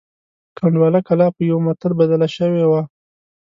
کنډواله کلا په یوه متل بدله شوې وه.